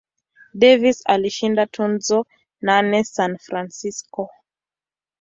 Davis alishinda tuzo nane San Francisco.